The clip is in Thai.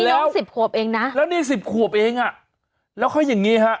น้องสิบขวบเองนะแล้วนี่สิบขวบเองอ่ะแล้วเขาอย่างงี้ฮะ